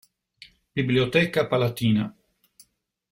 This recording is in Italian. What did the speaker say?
Biblioteca palatina